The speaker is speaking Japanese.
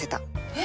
え？